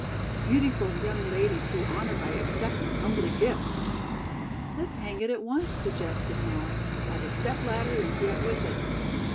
Beautiful young ladies do honor by accepting humbly gift." "Let's hang it at once," suggested Molly, "while the step ladder is yet with us.